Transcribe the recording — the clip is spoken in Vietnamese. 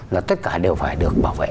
là tất cả đều phải được bảo vệ